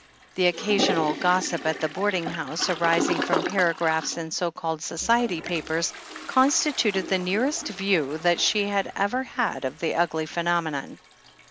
The occasional gossip at the boarding house, arising from paragraphs in so called "society papers," constituted the nearest view that she had ever had of the ugly phenomenon.